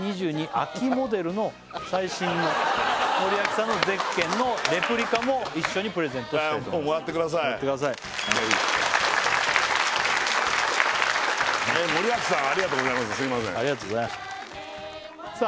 秋モデルの最新の森脇さんのゼッケンのレプリカも一緒にプレゼントしたいと思いますもらってくださいもらってください森脇さんありがとうございますすいませんありがとうございましたさあ